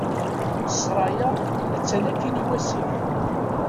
Ssṛaya attan akkin iwasif.